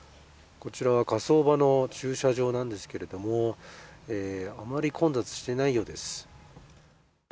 こちらは火葬場の駐車場なんですけれども、あまり混雑していないようです。